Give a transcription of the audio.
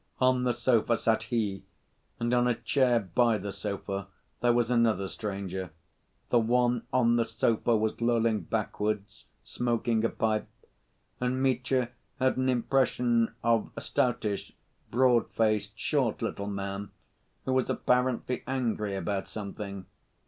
On the sofa sat he, and on a chair by the sofa there was another stranger. The one on the sofa was lolling backwards, smoking a pipe, and Mitya had an impression of a stoutish, broad‐faced, short little man, who was apparently angry about something.